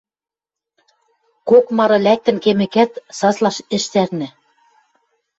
Кок мары лӓктӹн кемӹкӓт, саслаш ӹш цӓрнӹ.